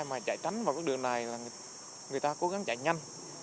mà chạy tránh vào cái đường này là người ta cố gắng chạy nhanh